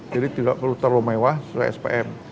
jadi tidak perlu terlalu mewah sesuai spm